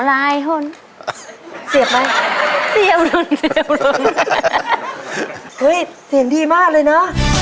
เฮ้ยเสียงดีมากเลยนะ